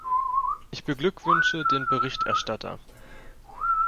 Ich beglückwünsche den Berichterstatter.